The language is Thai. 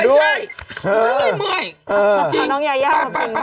ไม่ใช่เมื่อย